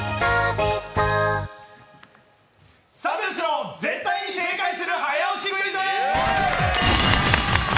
三拍子の絶対に正解する早押しクイズ！